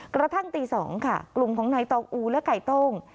กระทั่งตี๒ค่ะกลุ่มของนายตองอูและไก่โต้ง